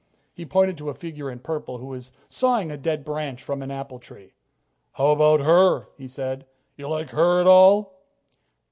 He pointed to a figure in purple who was sawing a dead branch from an apple tree. "How about her?" he said. "You like her at all?"